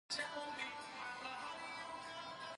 ځنګلونه د افغانستان د ځمکې د جوړښت نښه ده.